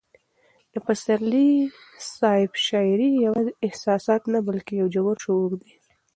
د پسرلي صاحب شاعري یوازې احساسات نه بلکې یو ژور شعور دی.